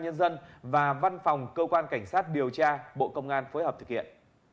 nhân dân và văn phòng cơ quan cảnh sát điều tra bộ công an phối hợp thực hiện